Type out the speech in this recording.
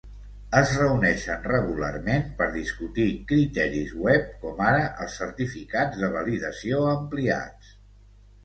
Es reuneixen regularment per discutir criteris web com ara els certificats de validació ampliats.